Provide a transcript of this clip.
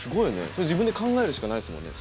それ自分で考えるしかないっすもんね。